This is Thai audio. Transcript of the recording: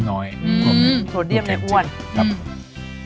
หน่อยโซเดียมในอ้วน